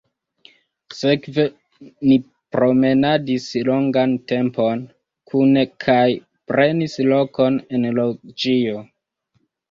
Sekve ni promenadis longan tempon kune kaj prenis lokon en loĝio.